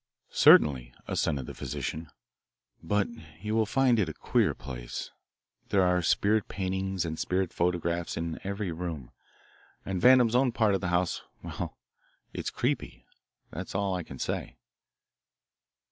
"Certainly," assented the physician, "but you will find it a queer place. There are spirit paintings and spirit photographs in every room, and Vandam's own part of the house well, it's creepy, that's all I can say."